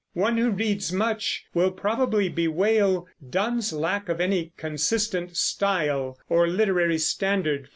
One who reads much will probably bewail Donne's lack of any consistent style or literary standard.